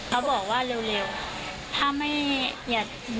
เขาบอกว่าเร็วถ้าไม่อยากติดอยู่เฉย